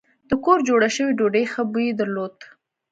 د کور جوړه شوې ډوډۍ ښه بوی درلود.